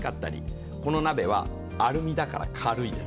この鍋はアルミだから軽いです。